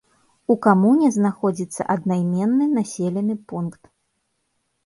У камуне знаходзіцца аднайменны населены пункт.